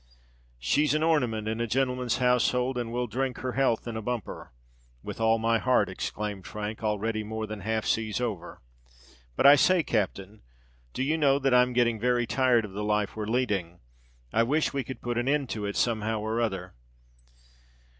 she's an ornamint in a jintleman's household; and we'll dhrink her health in a bumper!" "With all my heart," exclaimed Frank, already more than half seas over. "But, I say, captain—do you know that I'm getting very tired of the life we're leading? I wish we could put an end to it somehow or another."